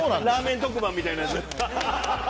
ラーメン特番みたいなやつ。